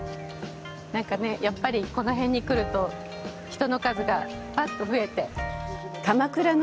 なんかね、やっぱりこの辺に来ると人の数がぱっと増えて。